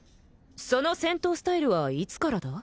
その戦闘スタイルはいつからだ？